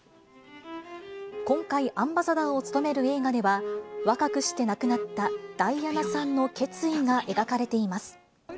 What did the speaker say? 今回、アンバサダーを務める映画では、若くして亡くなった、ダイアナさんの決意が描かれています。